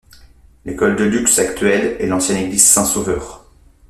L'école de Lux actuelle est l'ancienne église Saint-Sauveur.